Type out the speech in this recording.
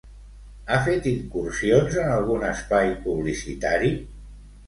Ha fet incursions en algun espai publicitari?